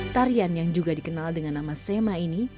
tarian yang juga dikenal dengan nama sema ini